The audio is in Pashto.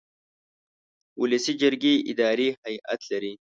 ولسي جرګې اداري هیئت لري.